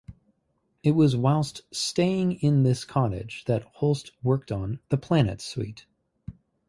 It was whilst staying in this cottage that Holst worked on "The Planets" suite.